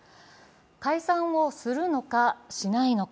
解散をするのかしないのか。